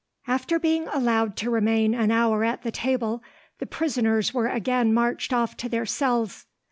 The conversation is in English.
After being allowed to remain an hour at the table, the prisoners were again marched off to their cells.